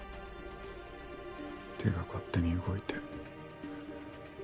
手が勝手に動いて。